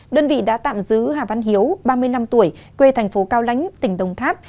đơn vị đã tạm giữ hà văn hiếu ba mươi năm tuổi quê thành phố cao lãnh tỉnh đồng tháp